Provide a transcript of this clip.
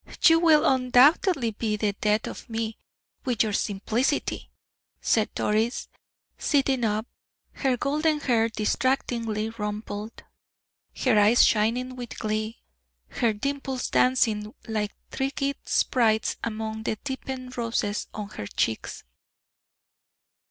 You will undoubtedly be the death of me, with your simplicity," said Doris, sitting up, her golden hair distractingly rumpled, her eyes shining with glee, her dimples dancing like tricky sprites among the deepened roses on her cheeks.